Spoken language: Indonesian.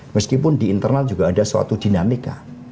meskipun di internal juga ada suatu dinamika